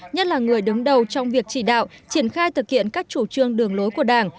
nhất là người đứng đầu trong việc chỉ đạo triển khai thực hiện các chủ trương đường lối của đảng